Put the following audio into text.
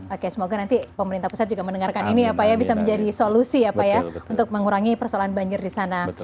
oke semoga nanti pemerintah pusat juga mendengarkan ini ya pak ya bisa menjadi solusi ya pak ya untuk mengurangi persoalan banjir di sana